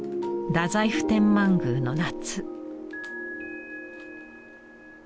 太宰府天満宮の夏。